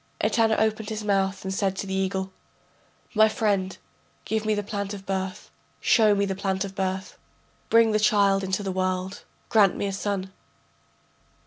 Etana opened his mouth and said to the eagle: My friend, give me the plant of birth, show me the plant of birth, Bring the child into the world, grant me a son....